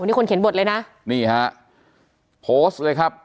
นี่คนเขียนบทเลยนะนี่ฮะโพสต์เลยครับ